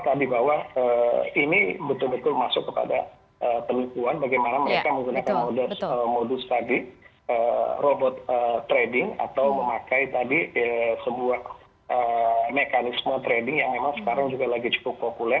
tadi bahwa ini betul betul masuk kepada penelitian bagaimana mereka menggunakan modus tadi robot trading atau memakai tadi sebuah mekanisme trading yang memang sekarang juga lagi cukup populer